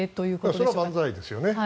それは万歳ですよね。